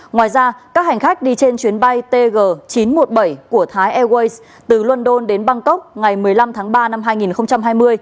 ngoài ra các hành khách đi trên chuyến bay tg chín trăm một mươi bảy của thái airways từ london đến bangkok ngày một mươi năm tháng ba năm hai nghìn hai mươi